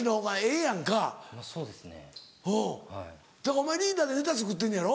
お前リーダーでネタ作ってんのやろ？